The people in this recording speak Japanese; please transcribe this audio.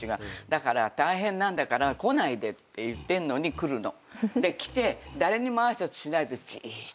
だから大変なんだから来ないでって言ってんのに来るの来て誰にも挨拶しないでじーっと